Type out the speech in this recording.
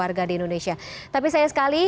warga di indonesia tapi sayang sekali